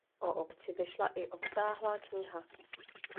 O obci vyšla i obsáhlá kniha.